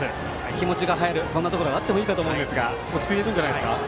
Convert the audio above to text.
気持ちが入る、そんなところがあってもいいかと思いますが落ち着いていますね。